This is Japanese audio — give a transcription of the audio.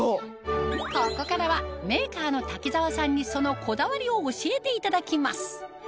ここからはメーカーの滝沢さんにそのこだわりを教えていただきます